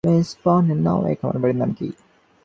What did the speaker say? এই খামারের নাম কী?